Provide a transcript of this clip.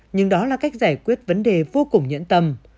nhưng đó là cách giải quyết vấn đề vô cùng nhẫn tầm